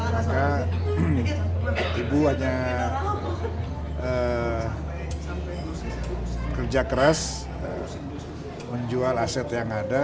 maka ibu hanya kerja keras menjual aset yang ada